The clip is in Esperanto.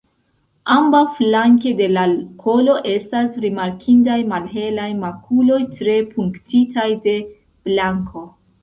Ambaŭflanke de la kolo estas rimarkindaj malhelaj makuloj tre punktitaj de blanko.